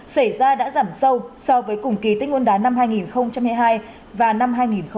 xảy ra đã giảm sâu so với cùng kỳ tích nguồn đá năm hai nghìn một mươi hai và năm hai nghìn một mươi chín